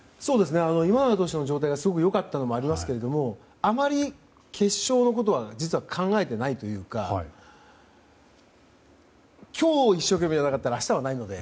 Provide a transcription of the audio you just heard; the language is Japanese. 今永投手の状態がすごく良かったのもありますがあまり、決勝のことは実は考えていないというか今日、一生懸命やらなかったら明日はないので。